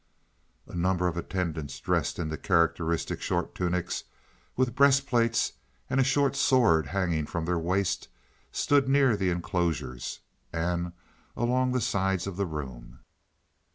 A number of attendants dressed in the characteristic short tunics, with breastplates and a short sword hanging from the waist, stood near the enclosures, and along the sides of the room.